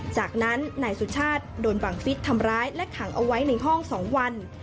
จากนั้นนายสุชาติโดนบังฟิศทำร้ายและขังเอาไว้ในห้อง๒วัน